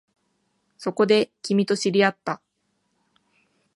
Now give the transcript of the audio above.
そこで、君と知り合った